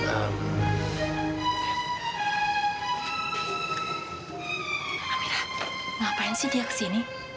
alhamdulillah ngapain sih dia kesini